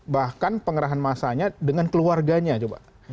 bahkan pengerahan masanya dengan keluarganya coba